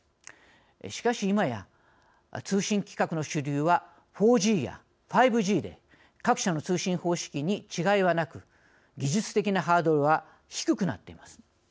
しかし、今や通信規格の主流は４Ｇや５Ｇで各社の通信方式に違いはなく技術的なハードルは低くなっています。